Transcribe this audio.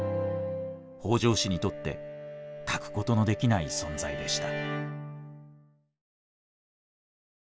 北条氏にとって欠くことのできない存在でした。